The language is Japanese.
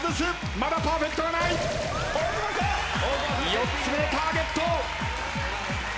４つ目ターゲット。